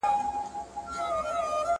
نن جهاني په ستړو منډو رباتونه وهي!